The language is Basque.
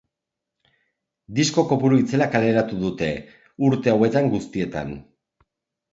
Disko kopuru itzela kaleratu dute urte hauetan guztietan.